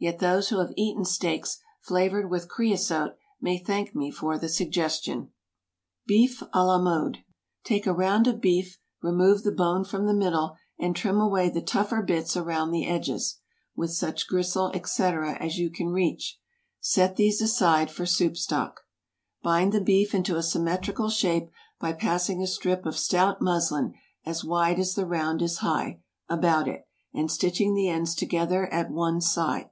Yet those who have eaten steaks flavored with creosote may thank me for the suggestion. BEEF À LA MODE. ✠ Take a round of beef; remove the bone from the middle, and trim away the tougher bits about the edges, with such gristle, &c., as you can reach. Set these aside for soup stock. Bind the beef into a symmetrical shape by passing a strip of stout muslin, as wide as the round is high, about it, and stitching the ends together at one side.